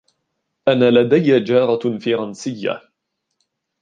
أنا لدي جارة فرنسية.